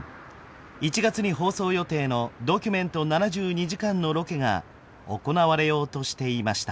１月に放送予定の「ドキュメント７２時間」のロケが行われようとしていました。